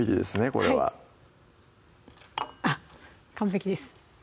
これははい完璧です